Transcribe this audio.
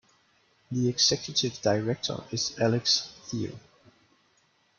The Executive Director is Alex Thier.